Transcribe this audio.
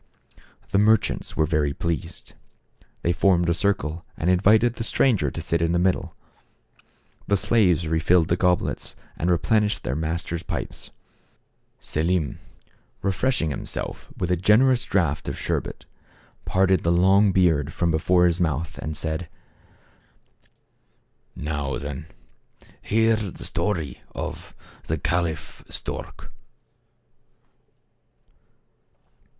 The merchants were well pleased. They formed a circle and invited the stranger to sit in the middle. The slaves refilled the goblets and replenished their masters' pipes. Selim, refreshing himself with a generous draught of sherbet, parted the long beard from before his mouth, and said : "Now, then, hear the story of the Caliph Stork."